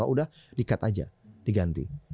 udah di cut aja diganti